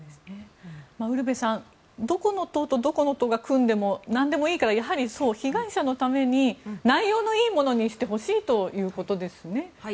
ウルヴェさんどこの党とどこの党が組んでもいいからやはり被害者のために内容のいいものにしてほしいということですね。